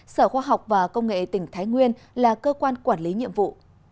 sở khoa học và công nghệ tỉnh thái nguyên là cơ quan quản lý nhiệm vụ